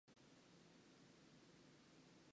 イゼール県の県都はグルノーブルである